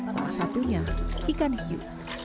salah satunya ikan hiu